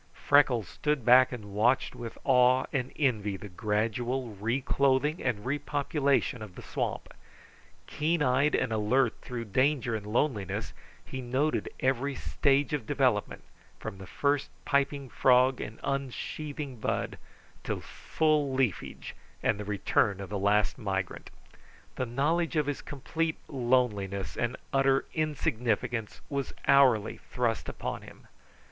Freckles stood back and watched with awe and envy the gradual reclothing and repopulation of the swamp. Keen eyed and alert through danger and loneliness, he noted every stage of development, from the first piping frog and unsheathing bud, to full leafage and the return of the last migrant. The knowledge of his complete loneliness and utter insignificance was hourly thrust upon him.